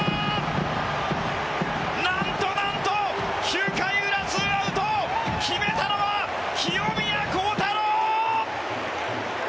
何と何と、９回裏ツーアウト決めたのは、清宮幸太郎！